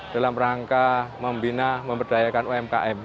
dalam rangka membina memberdayakan umkm